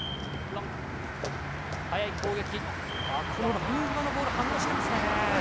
ライン際のボール反応してますね。